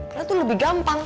karena tuh lebih gampang